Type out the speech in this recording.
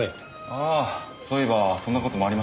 ああそういえばそんな事もありましたか。